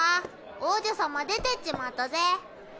王女様出てっちまったぜ。